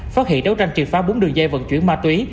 phát hiện đấu tranh triệt phá bốn đường dây vận chuyển ma túy